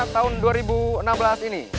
tahun dua ribu enam belas ini